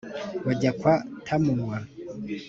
bajya kwa tamunwa